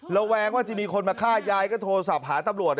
แวงว่าจะมีคนมาฆ่ายายก็โทรศัพท์หาตำรวจ